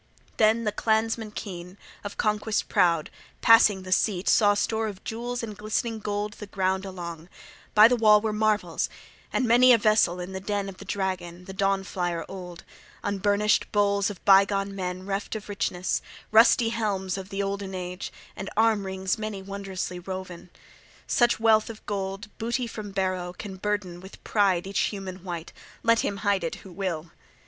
Then the clansman keen, of conquest proud, passing the seat, {36a} saw store of jewels and glistening gold the ground along; by the wall were marvels, and many a vessel in the den of the dragon, the dawn flier old: unburnished bowls of bygone men reft of richness; rusty helms of the olden age; and arm rings many wondrously woven. Such wealth of gold, booty from barrow, can burden with pride each human wight: let him hide it who will!